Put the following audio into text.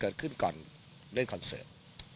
เกิดขึ้นก่อนเล่นคอนเสิร์ต